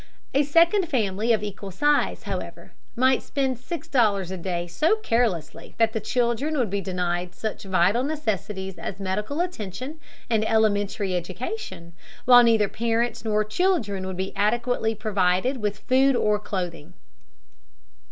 A second family of equal size, however, might spend six dollars a day so carelessly that the children would be denied such vital necessities as medical attention and elementary education, while neither parents nor children would be adequately provided with food or clothing.